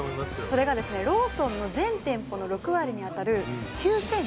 それがですねローソンの全店舗の６割に当たる。